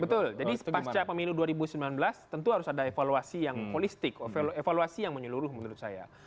betul jadi pasca pemilu dua ribu sembilan belas tentu harus ada evaluasi yang holistik evaluasi yang menyeluruh menurut saya